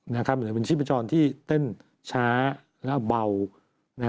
มันเป็นชีพจรที่เต้นช้ามันบ่าว